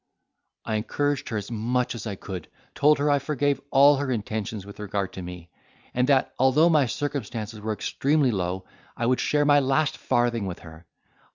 I encouraged her as much as I could, told her I forgave all her intentions with regard to me; and that, although my circumstances were extremely low, I would share my last farthing with her.